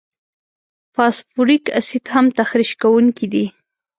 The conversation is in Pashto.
فاسفوریک اسید هم تخریش کوونکي دي.